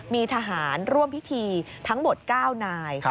มีทหารร่วมพิธีทั้งหมด๙นาย